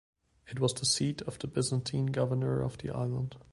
It was the seat of the Byzantine governor of the island.